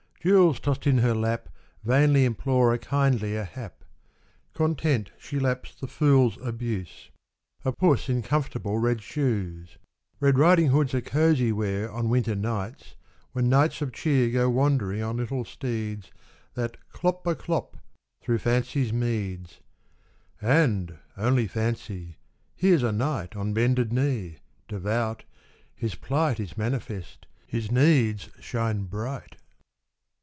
Jewels tossed in her lap Vainly implore a kindlier hap. Content she laps the fools' abuse — A puss in comfortable red shoes. (Red riding hoods are cosy wear On winter nights when knights of cheer Go wandering on little steeds That clop a clop through fancy's meads.) And, only fancy ! here's a knight On bended knee, devout, his plight Is manifest, his needs shine bright.